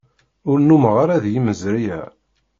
Ur nnumeɣ ara d yimeẓri-a.